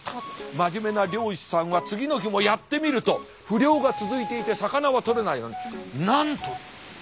真面目な漁師さんは次の日もやってみると不漁が続いていて魚は取れないのになんと！